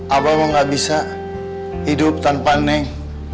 abah mah nggak bisa hidup tanpa neng